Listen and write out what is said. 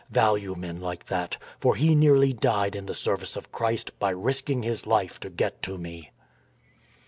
... Value men like that, for he nearly died in the service of Christ by risking his life to get to me."